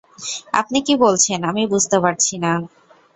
আপনি কী বলছেন, আমি বুঝতে পারছি না।